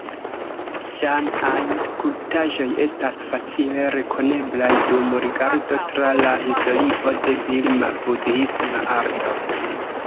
Ŝan-aj skulptaĵoj estas facile rekoneblaj dum rigardo tra la historio de Birma budhisma arto.